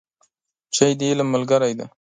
چای د علم ملګری دی